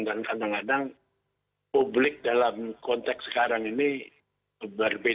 dan kadang kadang publik dalam konteks sekarang ini berbeda tafsir